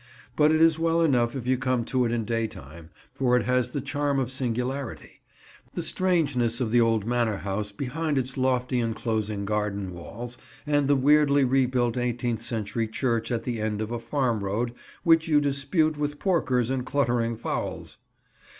But it is well enough if you come to it in daytime, for it has the charm of singularity: the strangeness of the old manor house behind its lofty enclosing garden walls and the weirdly rebuilt eighteenth century church at the end of a farm road which you dispute with porkers and cluttering fowls.